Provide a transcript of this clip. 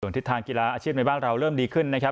ทิศทางกีฬาอาชีพในบ้านเราเริ่มดีขึ้นนะครับ